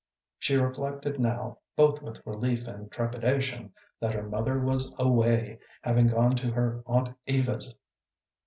She reflected now, both with relief and trepidation, that her mother was away, having gone to her aunt Eva's.